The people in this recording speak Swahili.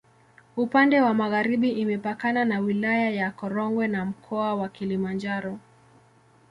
Upande wa magharibi imepakana na Wilaya ya Korogwe na Mkoa wa Kilimanjaro.